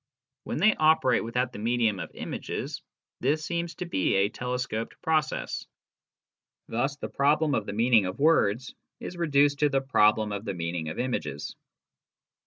When they operate without the medium of images, this seems to be a telescoped process. Thus the problem of the meaning of words is reduced to the problem of the meaning of images.